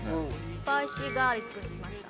スパイシーガーリックにしました。